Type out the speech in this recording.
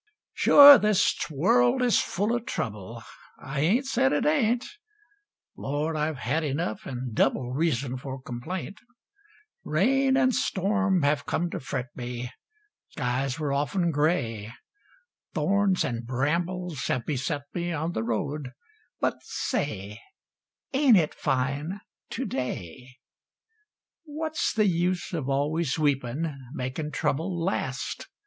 Sure, this world is full of trouble I ain't said it ain't. Lord! I've had enough, an' double, Reason for complaint. Rain an' storm have come to fret me, Skies were often gray; Thorns an' brambles have beset me On the road but, say, Ain't it fine to day? What's the use of always weepin', Makin' trouble last?